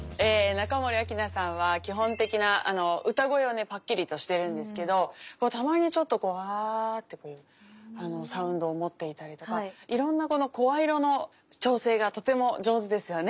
中森明菜さんは基本的な歌声はねパッキリとしてるんですけどたまにちょっとこう「わ」ってこうサウンドを持っていたりとかいろんな声色の調整がとても上手ですよね。